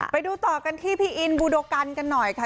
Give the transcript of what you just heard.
ไปดูต่อกันที่พี่อินบูโดกันกันหน่อยค่ะ